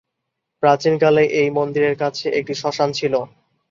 প্রাচীনকালে এই মন্দিরের কাছে একটি শ্মশান ছিল।